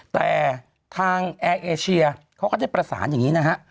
แต่ทางแอร์เอเชียเขาก็ได้ประสานอย่างนี้นะฮะ